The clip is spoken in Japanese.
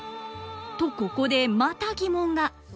とここでまた疑問が。